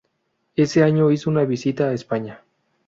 Ese año hizo una visita a España.